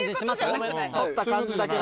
撮った感じだけね。